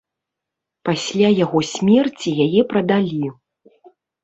Пасля яго смерці яе прадалі.